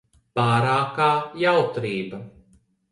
Pārākā jautrība.